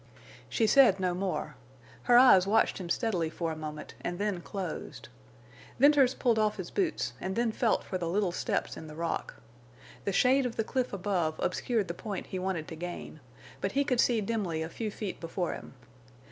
She said no more. Her eyes watched him steadily for a moment and then closed. Venters pulled off his boots and then felt for the little steps in the rock. The shade of the cliff above obscured the point he wanted to gain, but he could see dimly a few feet before him.